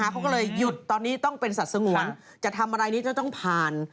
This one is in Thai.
เขาก็เลยหยุดตอนนี้ต้องเป็นสัตว์สงวนจะทำอะไรนี้จะต้องผ่าน